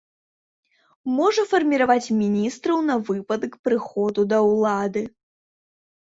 Можа фарміраваць міністраў на выпадак прыходу да ўлады.